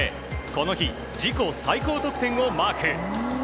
この日、自己最高得点をマーク。